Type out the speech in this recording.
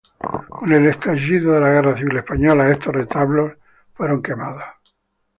Con el estallido de la guerra civil española estos retablos fueron quemados.